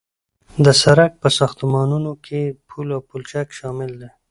د سرک په ساختمانونو کې پل او پلچک شامل دي